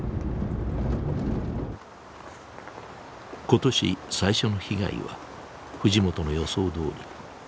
今年最初の被害は藤本の予想どおり阿歴内で起きた。